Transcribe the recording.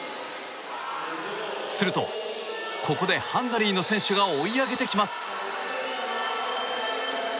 するとここでハンガリーの選手が追い上げてきます。